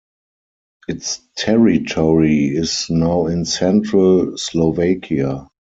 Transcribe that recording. Its territory is now in central Slovakia.